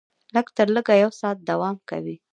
لږ تر لږه یو ساعت دوام کوي.